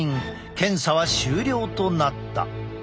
検査は終了となった。